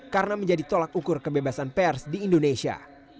karena menjadi tolak ukur kebebasan pers di indonesia